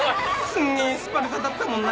すっげえスパルタだったもんな。